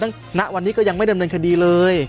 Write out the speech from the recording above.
ณวันนี้ก็ยังไม่ดำเนินคดีเลย